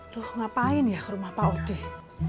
loh ngapain ya ke rumah pak odeh